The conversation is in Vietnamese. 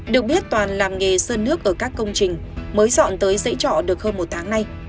được biết toàn làm nghề sơn nước ở các công trình mới dọn tới dãy trọ được hơn một tháng nay